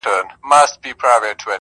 o يار د يار له پاره خوري د غوايي غوښي!